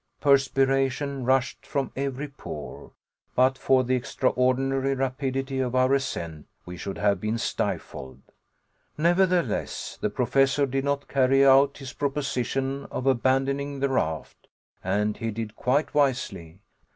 Perspiration rushed from every pore. But for the extraordinary rapidity of our ascent we should have been stifled. Nevertheless, the Professor did not carry out his proposition of abandoning the raft; and he did quite wisely.